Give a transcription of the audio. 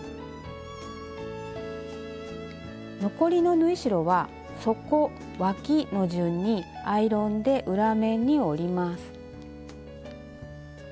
残りの縫い代は底わきの順にアイロンで裏面に折ります。